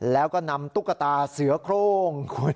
แล้วก็นำตุ๊กตาเสือโครง